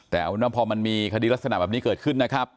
แต่เอาเป็นว่าพอมันมีคดีลักษณะแบบนี้เกิดขึ้นนะครับ